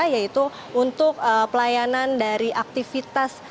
yaitu untuk pelayanan dari aktivitas